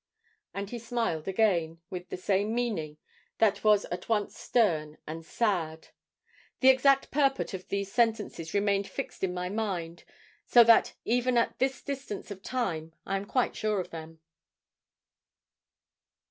And he smiled again, with the same meaning, that was at once stern and sad. The exact purport of these sentences remained fixed in my mind, so that even at this distance of time I am quite sure of them.